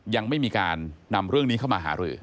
ยังไม่มีการนำเรื่องนี้เข้ามาหารือ